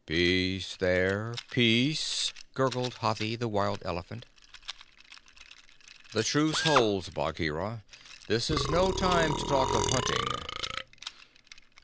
"Peace there, peace!" gurgled Hathi, the wild elephant. "The Truce holds, Bagheera. This is no time to talk of hunting."